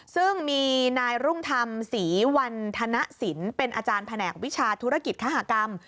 ซึ่งมีนายรุ่งธรรมศรีวันธนสินเป็นอาจารย์แผนกวิชาธุรกิจคหากรรม